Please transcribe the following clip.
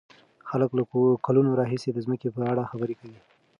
خلک له کلونو راهيسې د ځمکې په اړه خبرې کوي.